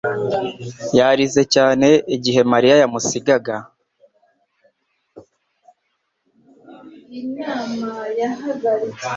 yarize cyane igihe Mariya yamusiga.